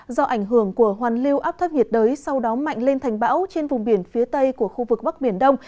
do ảnh hưởng của hoàn lưu áp thấp nhiệt đới sau đó mạnh lên thành bão trên vùng biển phía tây của khu vực bắc biển đông